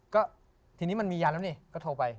ก็ทีนี้มันมียาแล้วนี่ก็โทรไป